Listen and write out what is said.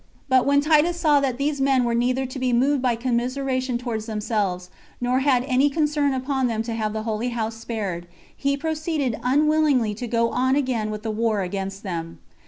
But when Titus saw that these men were neither to be moved by commiseration towards themselves, nor had any concern upon them to have the holy house spared, he proceeded unwillingly to go on again with the war against them.